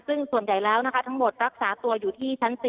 ซึ่งส่วนใหญ่แล้วนะคะทั้งหมดรักษาตัวอยู่ที่ชั้น๔